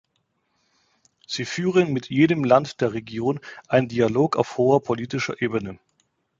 Wir führen mit jedem Land der Region einen Dialog auf hoher politischer Ebene.